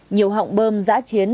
nhiều họng bơm giã chiến